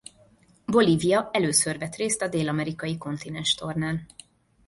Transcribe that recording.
Bolívia először vett részt a dél-amerikai kontinenstornán.